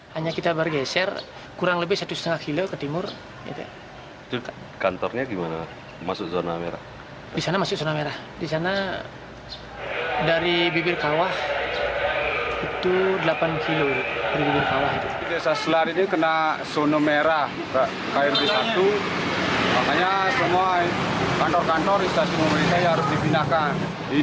hanya semua kantor kantor instansi pemerintahan yang harus dibinahkan